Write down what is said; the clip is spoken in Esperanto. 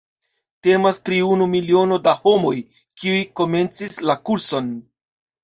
Temas pri unu miliono da homoj, kiuj komencis la kurson.